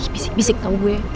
bisik bisik tau gue